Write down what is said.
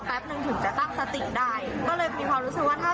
แต่เรามั่นใจว่าณตรงนั้นเราทำงานเราไม่ได้หัวเราะ